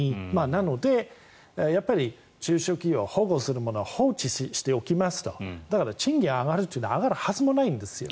なので、中小企業を保護するものを放置しておきますとだから賃金が上がるというのは上がるはずもないんですよ。